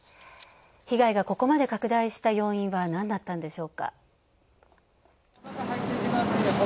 被害がここまで拡大した要因はなんだったんでしょうか。